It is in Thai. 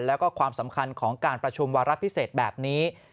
แล้วก็ความสำคัญของการประชุมวาระพิเศษแบบนี้